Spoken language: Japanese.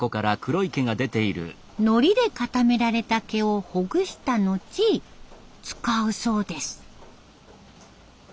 のりで固められた毛をほぐした後使うそうです。